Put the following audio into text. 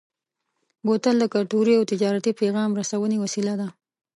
بوتل د کلتوري او تجارتي پیغام رسونې وسیله ده.